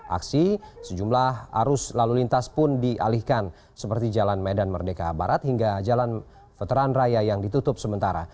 aksi sejumlah arus lalu lintas pun dialihkan seperti jalan medan merdeka barat hingga jalan veteran raya yang ditutup sementara